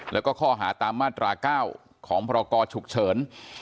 แล้วก็ข้อหาตามมาตรา๙ของพรกรฉุกเฉิน